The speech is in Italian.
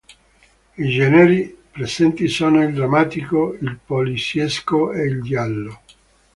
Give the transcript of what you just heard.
I generi presenti sono il drammatico, il poliziesco e il giallo.